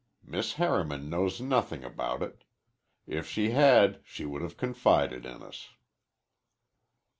Miss Harriman knows nothing about it. If she had she would have confided in us."